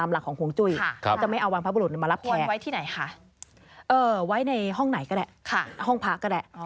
ห้องพักก็ได้